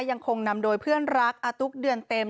ยังคงนำโดยเพื่อนรักอาตุ๊กเดือนเต็ม